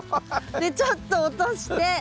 でちょっと落として。